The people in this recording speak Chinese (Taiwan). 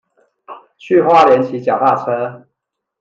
去花蓮騎腳踏車